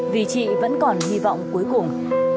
vì chị vẫn còn hy vọng cuối cùng